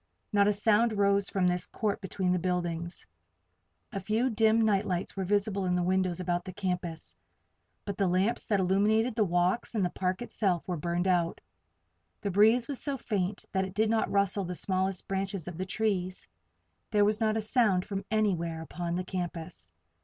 Not a sound rose from this court between the buildings. A few dim night lights were visible in the windows about the campus; but the lamps that illumined the walks and the park itself were burned out. The breeze was so faint that it did not rustle the smallest branches of the trees. There was not a sound from anywhere upon the campus.